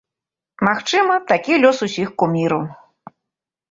Магчыма, такі лёс усіх куміраў.